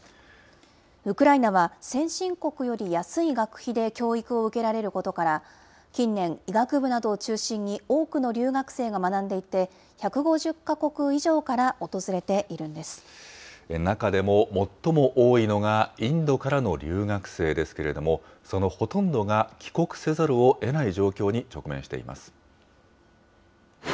ウクライナは先進国より安い学費で教育を受けられることから、近年、医学部などを中心に多くの留学生が学んでいて、１５０か国以中でも、最も多いのがインドからの留学生ですけれども、そのほとんどが帰国せざるをえない状況に直面しています。